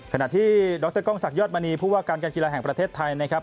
ขณะที่ดรกล้องศักดิยอดมณีผู้ว่าการการกีฬาแห่งประเทศไทยนะครับ